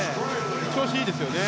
調子がいいですよね。